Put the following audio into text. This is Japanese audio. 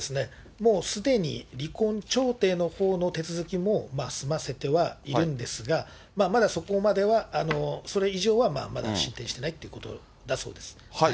もうすでに離婚調停のほうの手続きも済ませてはいるんですが、まだそこまでは、それ以上はまだ進展していないということだそうです。